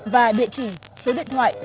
và địa chỉ số điện thoại